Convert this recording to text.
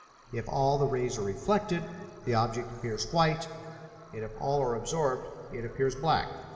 If all the rays are reflected, the object appears white, and if all are absorbed, it appears black."